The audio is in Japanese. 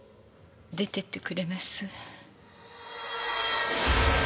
出てってくれます？